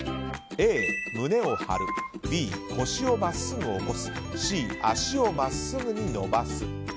Ａ、胸を張るＢ、腰を真っすぐ起こすＣ、足を真っすぐ伸ばす。